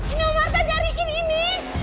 ini om arsa nyariin ini